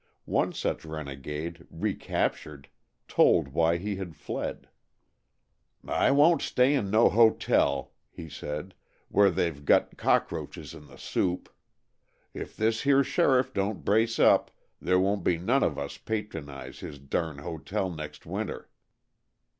One such renegade, recaptured, told why he had fled. "I won't stay in no hotel," he said, "where they've got cockroaches in the soup. If this here sheriff don't brace up, there won't none of us patronize his durn hotel next winter."